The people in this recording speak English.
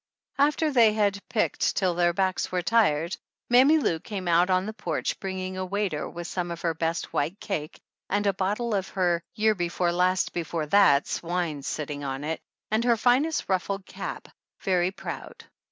After they had picked till their backs were tired Mammy Lou came out on the porch bring ing a waiter with some of her best white cake and a bottle of her year before last before that's wine setting on it and her finest ruffled cap, very proud.